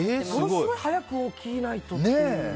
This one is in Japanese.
すごい早く起きないとっていう。